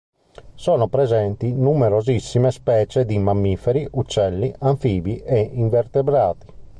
Sono presenti numerosissime specie di mammiferi, uccelli, anfibi e invertebrati.